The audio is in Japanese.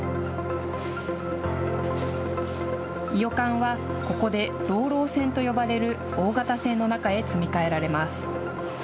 いよかんは、ここでＲＯＲＯ船と呼ばれる大型船の中へ積み替えられます。